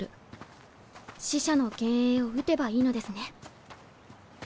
死者の幻影を撃てばいいのですね。